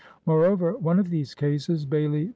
More over, one of these cases (Bailey v.